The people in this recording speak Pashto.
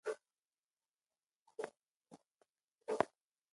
تیاره اوس د ده لپاره وېروونکې نه وه.